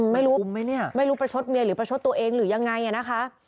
ไม่รู้ประชดเมียหรือประชดตัวเองหรือยังไงนะคะ